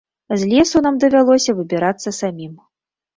З лесу нам давялося выбірацца самім.